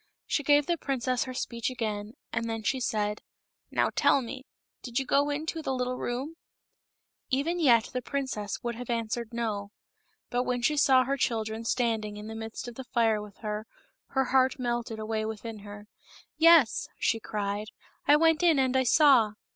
She gave the princess her speech again, and then she said, " Now, tell me, did you go into the little room ?" Even yet the princess would have answered " No ;'* but when she saw her children standing in the midst of the fire with her, her heart melted away within her. " Yes !" she cried, " I went in and I saw."